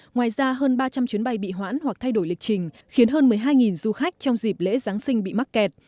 ngoài ra hơn ba trăm linh chuyến bay bị hoãn hoặc thay đổi lịch trình khiến hơn một mươi hai du khách trong dịp lễ giáng sinh bị mắc kẹt